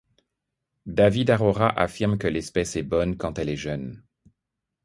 David Arora affirme que l'espèce est bonne quand elle est jeune.